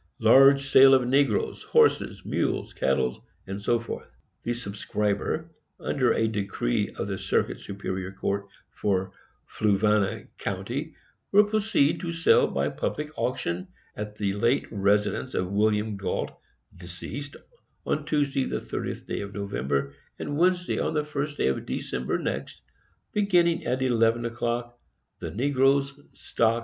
LARGE SALE OF NEGROES, HORSES, MULES, CATTLE, &c. The subscriber, under a decree of the Circuit Superior Court for Fluvanna County, will proceed to sell, by public auction, at the late residence of William Galt, deceased, on TUESDAY, the 30th day of November, and WEDNESDAY, the 1st day of December next, beginning at 11 o'clock, the negroes, stock, &c.